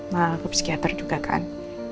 mahal ke psikiater juga kan